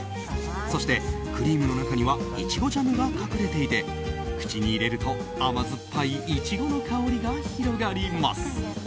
そしてクリームの中にはイチゴジャムが隠れていて口に入れると甘酸っぱいイチゴの香りが広がります。